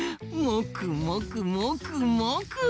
もくもくもくもく！